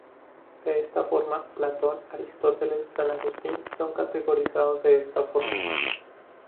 De esta forma Platón, Aristóteles, San Agustín son categorizados de esta forma.